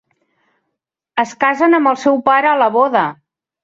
Es casen amb el seu pare a la boda.